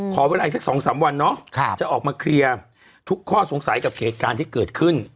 ขอเวลาอีกสัก๒๓วันเนาะจะออกมาเคลียร์ทุกข้อสงสัยกับเหตุการณ์ที่เกิดขึ้น